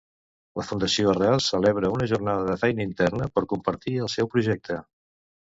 La fundació Arrels celebra una jornada de feina interna per compartir el seu projecte.